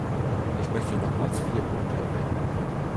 Ich möchte nochmals vier Punkte erwähnen.